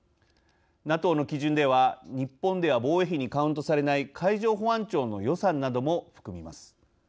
ＮＡＴＯの基準では日本では防衛費にカウントされない海上保安庁の予算なども含みます。